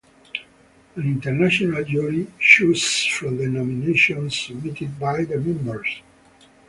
An international jury chooses from the nominations submitted by the members.